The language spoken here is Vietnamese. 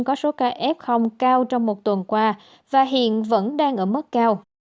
có số ca f cao trong một tuần qua và hiện vẫn đang ở mức cao